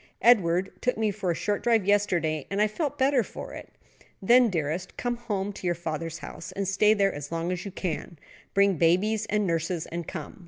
"Edward took me for a short drive yesterday, and I felt better for it." "Then, dearest, come home to your father's house and stay there as long as you can; bring babies and nurses and come.